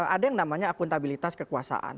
ada yang namanya akuntabilitas kekuasaan